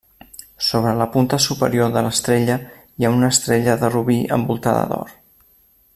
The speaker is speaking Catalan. Sobre la punta superior de l'estrella hi ha una estrella de robí envoltada d'or.